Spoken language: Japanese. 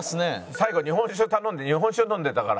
最後日本酒頼んで日本酒飲んでたから。